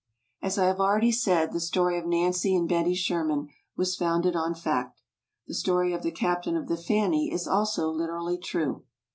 As I have already said, the story of Nancy and Betty Sherman was founded on fact. The story of the captain of the Fanny is also literally true.